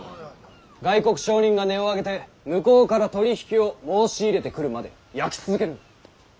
外国商人が音をあげて向こうから取り引きを申し入れてくるまで焼き続けるんだ。